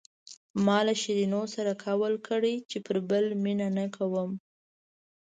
ما له شیرینو سره قول کړی چې پر بل مینه نه کوم.